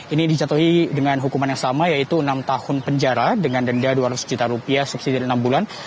ini dijatuhi dengan hukuman yang sama yaitu enam tahun penjara dengan denda dua ratus juta rupiah subsidi dari enam bulan